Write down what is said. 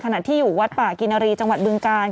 ขณะที่อยู่วัดป่ากินรีจังหวัดบึงกาล